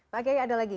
pak gaya ada lagi